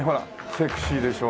セクシーでしょ。